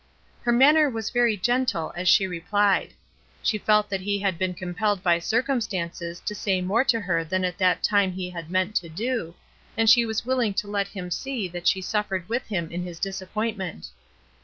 Her manner was very gentle as she replied. She felt that he had been compelled by cir cumstances to say more to her than at that time he had meant to do, and she was willing to let him see that she suffered with him in his disappointment.